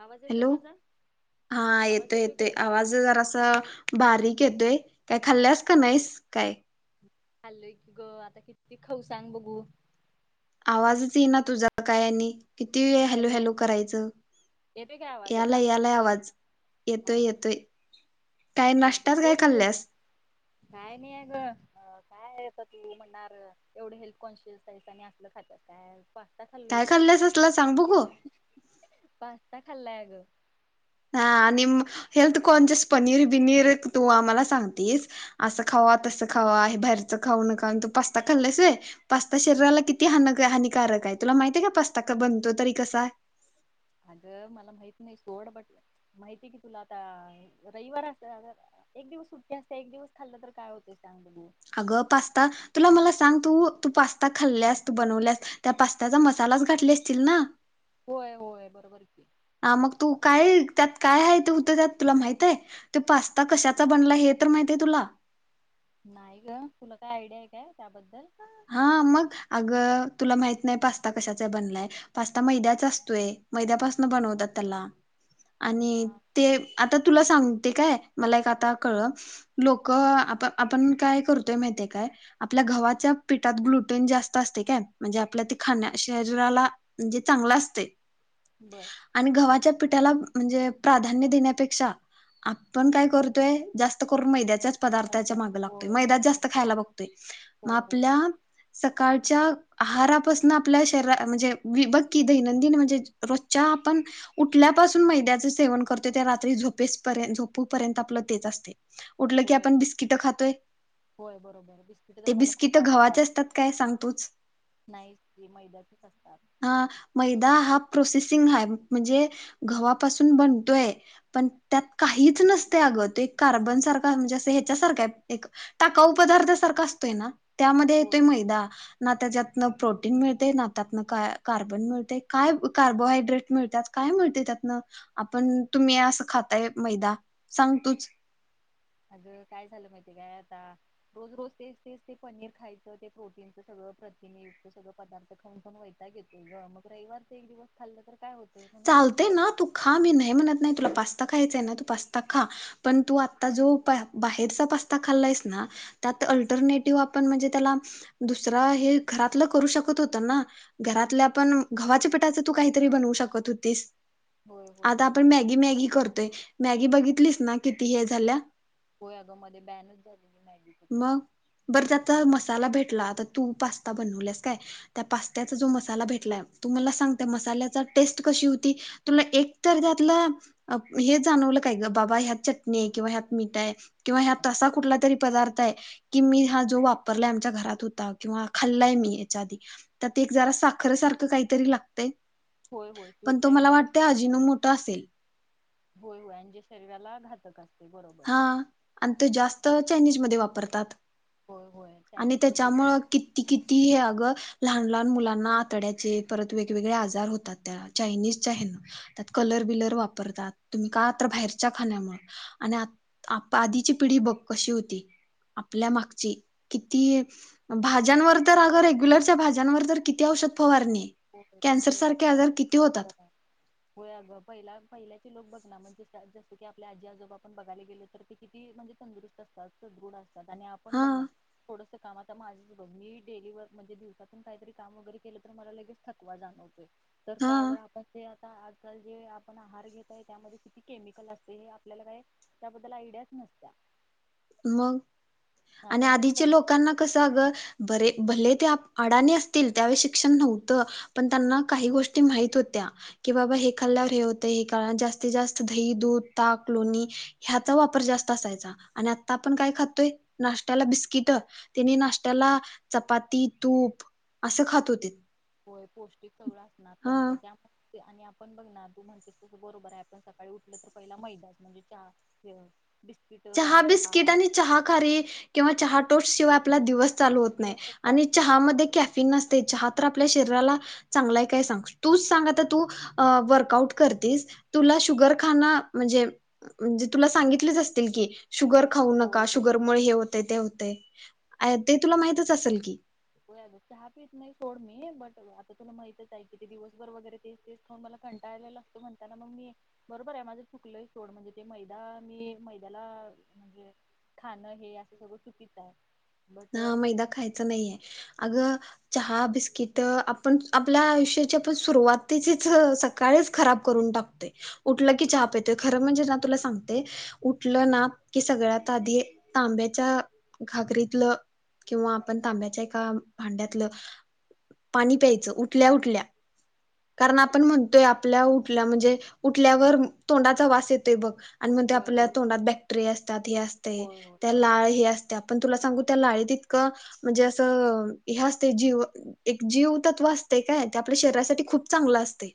आवाज येतोय हॅलो माझा हा आवाज येतो का येतोय एवरी आवाज जरासं बारीक येतोय. काय खाल्ल्यास का हॅलो नाहीस काय? खाल्लोय की ग आता किती खाऊ सांग बघू? आवाजच येई ना तुझा काय आणि? किती वेळ हॅलू हॅलो हॅलू करायचं? येतोय काय आवाज आता यालाय यालाय आवाज, हा येतोय येतोय. काय बर नाश्त्यात बर काय बोल की, खाल्ल्यास काय नाही आहे ग काय? तू म्हणणार एवढं हेल्थ कॉन्शियस हायस आणि आसलं खात्यास काय? पास्ता खालोय काय ब खाल्ल्यास असला सांग बघू पास्ता खालाय. [unintelligible] हा आणि हेल्थ कॉन्शियस पनीर बिनीर तू आम्हाला सांगतेस, असं खावा तसं खावा आहे बाहेरचं खाऊ नका आणि तू पास्ता खाल्लेस व्हय? पास्ता शरीराला अगं किती हानकाय हानिकारक आहे. तुला माहिती आहे का पास्ता का बनतो तरी कसा? अगं मला माहित नाही सोड, बट माहितीय की तुला आता रविवार असत अगं एक दिवस सुट्टी असत्या एक दिवस खाल्लं तर काय होतेय सांग बघू? अगं पास्ता तुला मला सांग, तू तू पास्ता खाल्ल्यास, तू बनवल्यास, त्या पास्त्याचा मसालाच घाठली असचील ना? होय होय बरोबर कि. हा मग तू काय त्यात काय आहे ते होत त्यात तुला माहित हाय? ते पास्ता कशाचा बनला हे तर माहितय तुला? नाही ग तुला काय आयडिया आहे काय? त्याबद्दल हा मग अग तुला माहित नाही पास्ता कशाचा बनलाय पास्ता मैद्याचा असतोय मैद्यापासन बनवतात त्याला. हो आणि ते आता तुला सांगते काय मला एक आत कळलं लोकं आपण काय करतोय माहिताय काय आपल्या घवा च्या पीठात ग्लुटोन जास्त असते काय, म्हणजे आपल्या खा शरीराला म्हणजे चांगला असते. बर आणि गव्हाच्या पिठाला म्हणजे प्राधान्य देण्यापेक्षा आपण काय करतोय, जास्त करून मैद्याच्याच पदार्थाच्या अच्छा मागं लागतोय, होय मैदाच बरोबर जास्त आहे खायला बघतोय. होय होय आपल्या होय सकाळच्या आहारापासून आपल्या शरीरा म्हणजे वी बक्की दैनंदिन म्हणजे रोजच्या आपण उठल्यापासून मैद्याचं सेवन करतो ते रात्री झोपेसपर्य झोपूपर्यंत आपलं तेच असते. उठलं की होय आपण बिस्किट खातोय. होय बरोबर बिस्किट ते तर मला खूप बिस्किट आवडतात घवाचे असतात काय सांग तुच? नाही ती मैद्याचीच असतात हा, मैदा हा प्रोसेस सिंग हाय म्हणजे घवापून बनतोय पण त्यात काहीच नसतंय अगं ते कार्बन सारख म्हणजे असं हेच्या सारख एक टाकाऊ पदार्थासारखं अस ते ना. त्यामध्ये होय येतोय होय मैदा ना त्याच्यात त न प्रोटीन मिळते ना त्यातन का कार्बन मिळते काय कार्बोहायड्रेट मिळतात काय मिळते त्यातन आपण तुम्ही असं खाताय मैदा सांग तुच. अग काय झालं माहितीय काय आता रोज रोज तेच तेच ते पनीर खायचं ते प्रोटीनच सगळं प्रथीनेयुक्त सगळं पदार्थ खाऊन खाऊन वैताग येतोय गं मग रविवारचं एक दिवस खाल्लं तर काय होत चालतय ना, तू खा मी नाही म्हणत नाही, तुला पास स्ता खायचाय ना. तू पास्ता खा. पण तू आता जो बाहेरचा पास्ता खाल्लायस ना, त्यात अल्टरनेटिव आपण म्हणजे त्याला दुसरा हे घरातलं करू शकत होतो ना. घरातल्या आपण गव्हाच्या पिटाच तू काहीतरी बनवू शकत होतीस. होय होय आता आपण बरोबर आहे मॅगी मॅगी करतोय मॅगी बघितलीस ना, किती हे झाल्या? होय आग, मध्ये बॅनच झालेली मॅगी सकट तूला आता तू पास्ता बनवल्यास काय? त्या पास्त्याचा जो मसाला भेटलाय, तू मला सांग त्या मसाल्याचा टेस्ट तू कशी होती? तुला एक तर त्यातलं हे जाणवलं काय ग? बाबा ह्यात चटणी आहे किंवा ह्यात मीठ हाय किंवा ह्यात असा कुठला तरी पदार्थ हाय कि, मी हा जो वापरलाय, आमच्या घरात होता किंवा खाल्लाय मी याच्या आधी, तर एक जरा साखर सारख काहीतरी लागतय. होय होय स्वीट पण तो टाईप मला जरा वाटत अजिनो गोड. मोठा असेल होय होय आणि जे शरीराला घातक असत. हा आणि ते जास्त चाइनीज मध्ये वापरतात. होय होय आणि चायनीज बद्दल तर त्याच्यामुळं किती किती हे अग? लहान लहान मुलांना आतड्याचे परत वेगवेगळे आजार होतात त्या चायनीजच्या हेन त्यात कलर बिलर वापरतात तुम्ही का तर बाहेरच्या खाण्यामुळे आणि आ आप आधीची पिढी बघ कशी होती आपल्या मागची किती भाज्यांवर तर अगं रेग्युलरच्या भाज्यांवर तर किती औषध फवारणी होय कॅन्सर बघतोय सारखे आपण आजार किती होतात [unintelligible] होय अगं पहिला पहिल्याचे लोक बघ म्हणजे [unintelligible] जसं की आपल्या आजी आजोबा आपण बघायला गेलो तर ते किती म्हणजे तंदुरुस्त असतात सदृढ अस तात आणि आपण हा बघ ना थोड स काम आता माझंच बघ मी डेली वर्क म्हणजे दिवसातून काहीतरी काम वगैरे केलं तर मला लगेच थकवा जाणवतोय. तर हा का जर आपण ते आता आजकाल जे आपण आहार घेत आहे त्यामध्ये किती केमिकल असते हे आपल्याला काय त्याबद्दल आयडियाच नसत्या. मग? आणि आपण ते चव आधीच्या लोकांना कसं अगं बरे भले ते अडाणी असतील त्यावेळी शिक्षण नव्हतं पण त्यांना काही गोष्टी माहित होत्या की बाबा हे खाल्ल्यावर हे होतं हे [unintelligible] जास्तीत जास्त दही, दूध, ताक, लोणी ह्याचा वापर जास्त असायचा. आणि आता आपण काय खातोय नाष्ट्याला बिस्किट त्याने नाष्ट्याला चपाती तूप असं खात होतीत. होय पौष्टिक सगळं असणार त्यांचं त्या आणि आपण बघ ना तू म्हणतेस तसं बरोबर आहे आपण सकाळी उठलं तर पहिला मैदाच म्हणजे चहा [unintelligible] चहा बिस्किट आणि चहा खारी किंवा चहा टोस्टशिवाय आपला दिवस चालू होत नाही दिवसच जात आणि नाही चहा मधे कँफीन असतय. चहा तर आपल्या शरीराला चांगल हाय काय सांग? तुच सांग आता, तू अ अ वर्कआउट करतीस, तुला शुगर खाण म्हणजे म्हणजे तुला सांगीतलीच अस तील की, शुगर खाऊ होय नका. होय शुगर मुळे हे होतय, ते होतय. आया, ते तुला माहितच असेल की होय आग चहा पीत नाही सोड मी, बट आता तुला माहितच आहे कि, ते दिवसभर वगैरे तेच तेच खावून मला कंटाळा आलेला असतो, म्हणताना मग मी, बरोबर हाय माझं चुकलंय सोड, म्हणजे ते मैदा मी मैद्याला म्हणजे खाणं, हे असं सगळं चुकीच हाय. ह मैदा खायचा नाहीये अग चहा बिस्किट आपण आपल्या आयुष्याची पण सुरुवातीचीच सकाळीच खराब करून टाकतोय उठलं की चहा पेतोय खरं म्हणजे ना तुला सांगते उठलं ना की सगळ्यात आधी तांब्याच्या घागरीत किंवा आपण तांब्याच्या एका भांड्यातलं पाणी प्यायचं उठल्या उठल्या कारण आपण म्हणतोय आपल्या उठल्या म्हणजे उठल्यावर तोंडाचा वास येतोय बघ आणि म्हणतोय होय आपल्या होय तोंडात बॅक्टेरिया असतात ह असते होय होय त्या बरोबर लाळ आहे ही असते आपण तुला सांगू त्या लाळेत इत म्हणजे असं हे असते जीव एक जीव तत्व असते काय ते आपल्या शरीरासाठी खूप खूप चांगलं असतय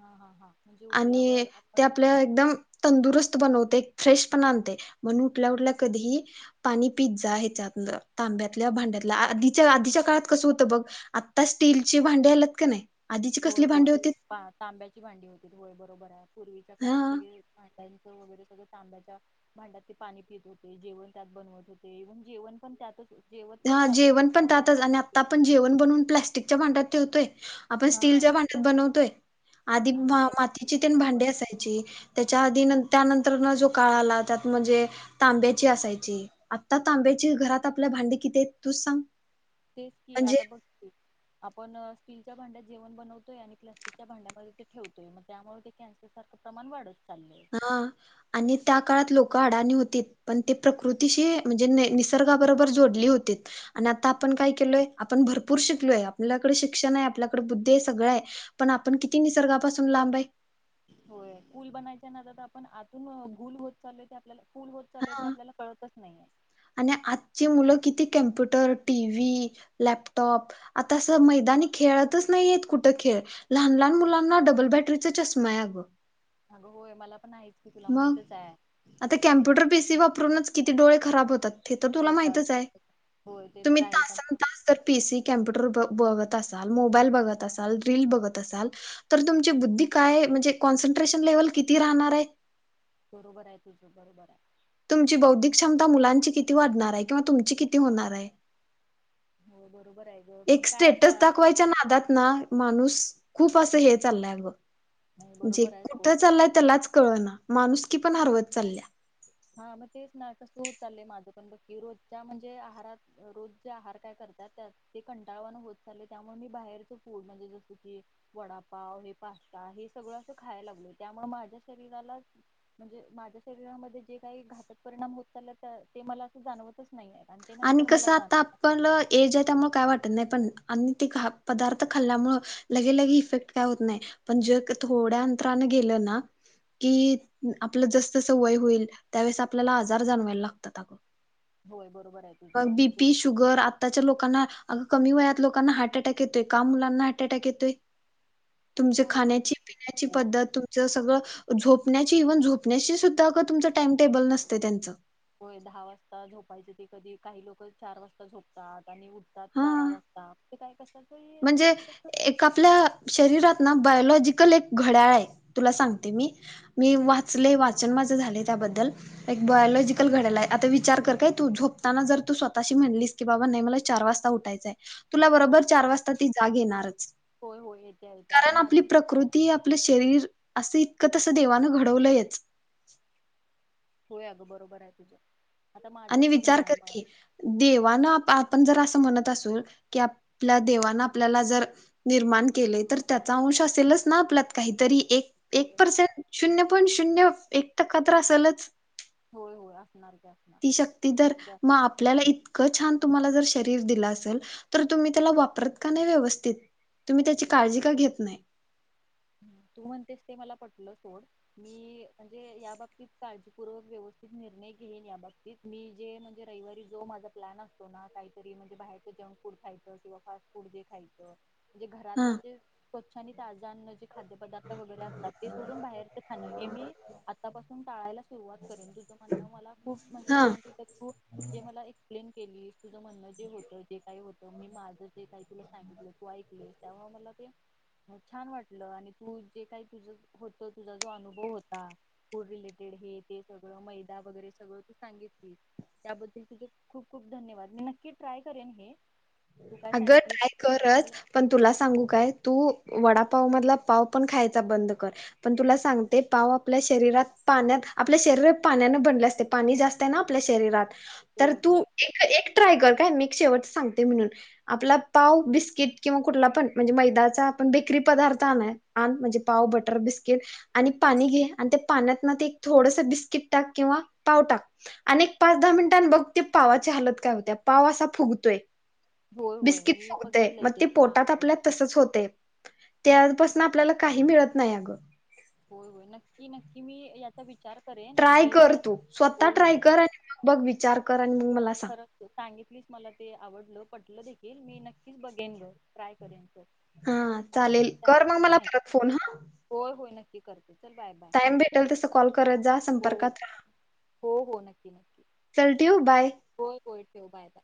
हा हा हा म्हणजे आणि उठल्यावर आपण ते आपल्या एकदम तंदुरुस्त बनवते फ्रेशपणा आणतय, म्हणून उठल्या उठल्या कधीही पानी पीत जा ह्याच्यातलं. तांब्यातल्या भांड्यातलं. आदी - आदीच्या काळात कस होत बघ. आत्ता स्टीलची भांडी आल्यात क नाय? होय, होय. ता.. तांब्याची भांडी होती. व्हय बघ. रोबर हाय. पूर्वीच्या हा काळात सगळे, म्हातारे.. सर्व ते वैगरे सगळे ते तांब्याच्या भांड्यात ते पानी पीत होते. जेवण त्यात बनवत होते. एव्हन जेवण पन त्यातच जेवत पण हा त्यातच जेवण होत पण त्याातच आणि बघते आता आपण जेवण बनवून प्लास्टिक च्या भांड्यात ठेवतोय. आपण हा स्टीलच्या भांड्यात बनतोय. आदी आणि मं.. त्या मातीची न ते बरोबर भांडी असायची. त्याच्या आदी नन त्यानंतर न जो काळ आला, त्यात म्हणजे तांब्याची असायची. आत्ता तांब्याची घरात आपल्या भांडी किती आहेत तूच सांग? तेच कीं, म्हणजे आता बघ कीं, आपन... स्टीलच्या भांड्यात जेवण बनवतोय. आणि प्लास्टिक च्या भांड्यामध्ये ते ठेवतोय. मं त्यामुळे ते कॅन्सर सारखं प्रमाण वाढत चाललंय हा, आणि त्या काळात लोक क अडाणी होती. पन ती प्राकृतिशी, म्हणजे नै. निसर्गाबरोबर जोडली होतीतं. आणि आता आपन काय केलोय? आपन भरपूर शिकलोय. आपल्याकडे शिक्षन हाय, आपल्याकडे बुद्धी हाय. सगळं हाय. पन आपन किती निसर्गापासून लांब हाय? होय. पूल बनवायच्या नादात आपन अजून गुल होत चाललंय ते आपल्या फुल होत चाललेय ते हा आपल्याला कळतच नाही. नाई हाय. आणि आजची मुलं किती कम्प्युटर, टीव्ही, लॅपटॉप, आता असं मैदानी खेळतच नाही आहेत कुठं खेळ? लहान लहान मुलांना डबल बॅटरीचा चष्मा आहे अग! अग होय. मला पन आहे. मग? आता कॉम्पुटर पीसी वापरूनच किती डोळे खराब होतात? ते तर तुला होतात माहितच आहे! होतात. होय ते तर तुम्ही आहेच तासन आणि तास जर पीसी कम्प्युटर ब बघत तसाल. मोबाईल बघत असाल, रील बघत असाल, तर तुमची बुद्धी काय? म्हनजे कॉन्स्ट्रेशन लेव्हल किती राहनार आहे? बरोबर आहे तुझं. बरोबर हाय. तुमची बौद्धिक क्षमता मुलांची किती वाढणार आहे? किंवा तुमची किती होणार आहे? हो बरोबर आहे ग पण एक काय आता स्टेटस दाखवायच्या नादात ना! माणूस.. खूप असं हे चाललंय अग! नाही जे बरोबर आहे सोड कुठं चाललाय त्यालाच कळ ना. माणुसकी पण हरवत चालल्या. हा, मं ते जे काही घातक परिणाम होत चाललेत, त्या ते मला आता जाणवतंच आणि कसं, आता आपल एज आहे. त्यामुळे काय वाटत [unintelligible] होय. वं. मग बी पी, शुगर, आताच्या लोकांना अगं कमी वयात लोकांना तुमच होय खाण्याची पिण्याची हो पद्धत झोपण्याची इव्हन झोपण्याशी सुद्धा तुमचं टाइम टेबल नसतय त्यांच, होय दहा वाजता झोपायचे ते कधी उठतात हा बारा वाजता काय कशाच असं म्हणजे त्याच एक आपल्या शरीरात बायोलॉजिकल एक घड्याळ बरं चार वाज आता ती जाग येणारच होय होय येत्या येत्या आता कारण आपली माझंच बघ ना प्रकृती आपलं शरीर असं इतकं तसं देवानं घडवलंयच. होय अगं बरोबर आहे तुझं आता माझंच आणि बघ विचार ना कर की देवान आपण जर अस म्हणत असो की आपल्या देवान आपल्याला जर निर्माण केले तर त्याचा अंश असेलच ना आपल्यात काहीतरी एक एक होय पर्सेंट शून्य पॉइंट शून्य एक टक्का तर असेलच होय होय असणार की ती शक्ती जर असणार मग आपल्याला इतकं छान तुम्हाला जर [inaudible] दिल असेल तर तुम्ही त्याला वापरत का नाही व्यवस्थित तुम्ही त्याची काळजी का घेत नाही. तू म्हणतेस ते मला पटलं सोड मी म्हणजे या बाबतीत काळजीपूर्वक व्यवस्थित निर्णय घेईन या बाबतीत मी जे म्हणजे रविवारी जो माझा प्लॅन असतो ना काहीतरी म्हणजे बाहेरच जंक फूड खायचं किंवा फास्ट फूड जे खायचं म्हणे हा घरातलं जे स्वच्छ आणि ताजं अन्न जे खाद्य पदार्थ वगैरे असतात ते सोडून बाहेरच खाण हे मी आतापासून टाळायला सुरुवात करेन, तुझं म्हणणं मला खूप म्हणजे हा छान ख [unintelligible] जे मला एक प्लेन केली. तुझं म्हणणं जे होतं जे काही होतं मी माझं जे काही तुला सांगितलं तू ऐकले तेव्हा मला ते हो छान वाटत आणि तू जे काही तुझ होत तुझा जो अनुभव होता फूड रिलेटेड हे ते सगळं मैदा वगैरे सगळं तू सांगितली त्याबद्दल तुझ खूप खूप धन्यवाद मी नक्की ट्राय करेन हे तू काय अग सांगितली ट्राय करच आम्हाला पण तुला सांगू काय तू वडापाव मधला पाव पण खायचा बंद कर पण तुला सांगतो पाव आपल्या शरीरात पाण्यात आपल्या शरीरात पाण्यान बनले असते पाणी जास्त आहे ना आपल्या शरीरात तर होय तू होय एक ट्राय कर काय मी एक शेवट सांग म्हणून आपला पाव बिस्किट किंवा कुठला पण म्हणजे मैदा्याचा आपण बेकरी पदार्थ आण आण म्हणजे पाव बटर बिस्किट आणि पाणी घे आणि त्या पाण्यात ना ते थोडस बिस्किट टाक किंवा पाव टाक आणि एक पाच दहा मिनिटां बघ ते पावाची हालत काय होत्या पाव असा फुगतोय होय होय बिस्किट मी फुगतय बघितलंय मग ते हा पोटात होय आपल्या तसच होतय त्यापासून आपल्याला काही मिळत नाही अगं हो होय नक्की नक्की मी याचा विचार करेन ट्राय आणि कर तुला तू स्वतः होय ट्राय होय कर आणि मग बघ विचार कर कार मग मला सांग प्लीज मला ते आवडलं प मी नक्कीच बघ गेनलो ट्राय करेन तर हा चालेल सांगितलं कर मग त्याबद्दल मला परत फोन हा ते कर टाइम भेटेल तस कॉल करत जा हो संपर्कात हो हो नक्की नक्की चल ठेव बाय होय होय ठेव बाय बाय